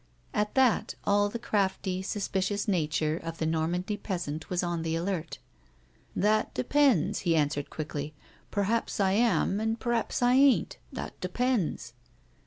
A t that all the crafty, suspiciovis nature of the Normandy peasant was on the alert. " That depends," he answered quickly. " Perhaps I am and perhaps I ain't, that depends."